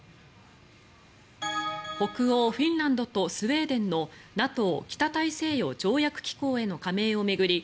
北欧フィンランドとスウェーデンのＮＡＴＯ・北大西洋条約機構への加盟を巡り